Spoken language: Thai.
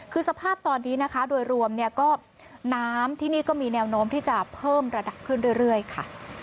คือสภาพตอนนี้นะคะโดยรวมเนี่ยก็น้ำที่นี่ก็มีแนวโน้มที่จะเพิ่มระดับขึ้นเรื่อยค่ะ